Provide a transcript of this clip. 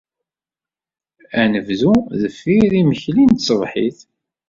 Ad nebdu deffir yimekli n tṣebḥit.